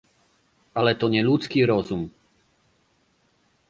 "Ale to nie ludzki rozum."